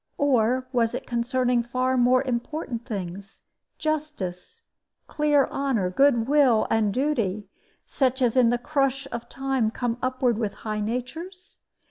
Or was it concerning far more important things, justice, clear honor, good will, and duty, such as in the crush of time come upward with high natures?